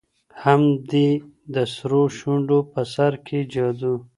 هم دي د سرو شونډو په سر كي جـادو